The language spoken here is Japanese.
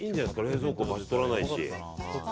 冷蔵庫、場所とらないし。